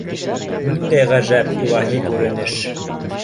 Ниндәй ғәжәп, илаһи күренеш!